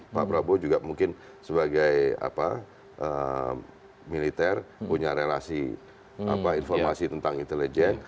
pak prabowo juga mungkin sebagai militer punya relasi informasi tentang intelijen